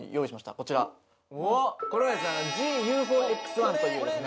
こちらこれはですねＧｅｅＵＦＯＸ１というですね